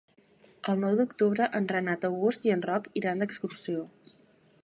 El nou d'octubre en Renat August i en Roc iran d'excursió.